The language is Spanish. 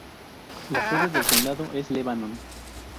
La sede del condado es Lebanon.